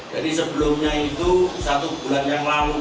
jadi sebelumnya itu satu bulan yang lalu